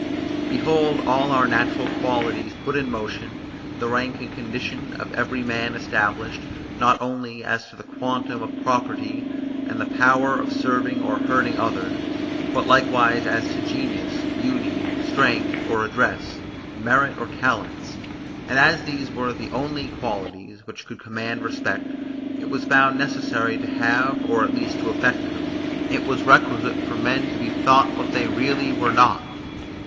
Behold all our natural qualities put in motion; the rank and condition of every man established, not only as to the quantum of property and the power of serving or hurting others, but likewise as to genius, beauty, strength or address, merit or talents; and as these were the only qualities which could command respect, it was found necessary to have or at least to affect them. It was requisite for men to be thought what they really were not.